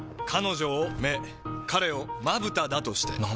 彼女を目彼をまぶただとして。